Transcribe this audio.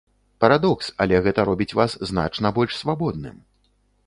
Парадокс, але гэта робіць вас значна больш свабодным.